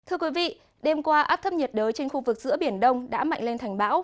thưa quý vị đêm qua áp thấp nhiệt đới trên khu vực giữa biển đông đã mạnh lên thành bão